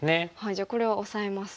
じゃあこれをオサえます。